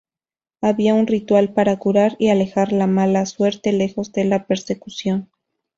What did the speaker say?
Había un ritual para curar y alejar la mala suerte lejos de la persecución.